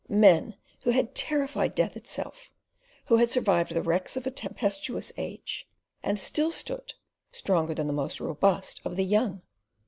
Men who had terrified death itself, who had survived the wrecks of a tempestuous age, and still stood, stronger than the most robust of the young.